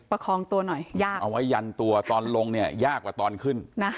ประคองตัวหน่อยยากเอาไว้ยันตัวตอนลงเนี่ยยากกว่าตอนขึ้น